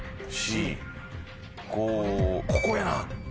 ここやな。